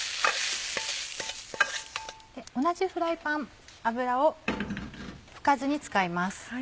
同じフライパン油を拭かずに使います。